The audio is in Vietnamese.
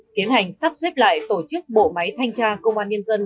tiến hành sắp xếp lại tổ chức bộ máy thanh tra công an nhân dân